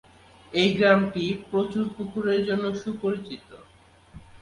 এই গ্রামটি প্রচুর পুকুরের জন্য সুপরিচিত।